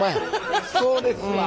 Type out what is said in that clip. そうですわ。